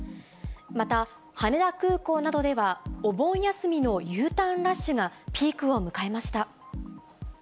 また、羽田空港などでは、お盆休みのＵターンラッシュがピークを迎えました。